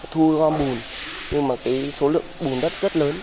thu gom bùn nhưng mà cái số lượng bùn đất rất lớn